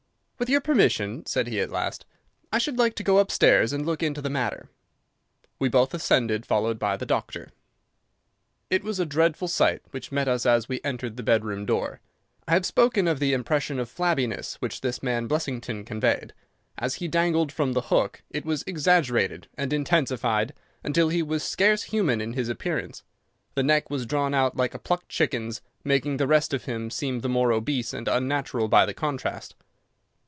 "With your permission," said he at last, "I should like to go upstairs and look into the matter." We both ascended, followed by the doctor. It was a dreadful sight which met us as we entered the bedroom door. I have spoken of the impression of flabbiness which this man Blessington conveyed. As he dangled from the hook it was exaggerated and intensified until he was scarce human in his appearance. The neck was drawn out like a plucked chicken's, making the rest of him seem the more obese and unnatural by the contrast.